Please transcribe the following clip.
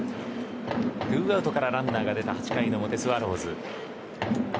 ２アウトからランナーが出た８回の表、スワローズ。